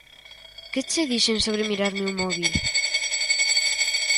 Que che dixen sobre mirarme o móbil?